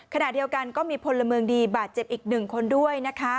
ขณะเดียวกันก็มีพลเมืองดีบาดเจ็บอีกหนึ่งคนด้วยนะคะ